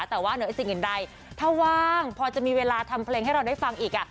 แต่ว่าเหนือสิ่งอื่นใดถ้าว่างพอจะมีเวลาทำเพลงให้เราได้ฟังอีก